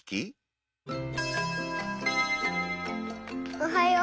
おはよう。